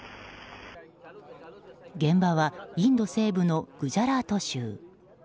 現場はインド西部のグジャラート州。